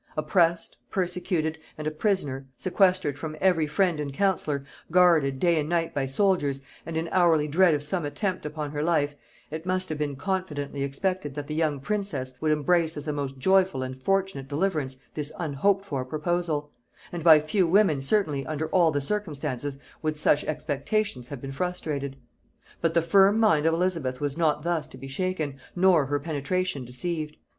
Oppressed, persecuted, and a prisoner, sequestered from every friend and counsellor, guarded day and night by soldiers, and in hourly dread of some attempt upon her life, it must have been confidently expected that the young princess would embrace as a most joyful and fortunate deliverance this unhoped for proposal; and by few women, certainly, under all the circumstances, would such expectations have been frustrated. But the firm mind of Elizabeth was not thus to be shaken, nor her penetration deceived.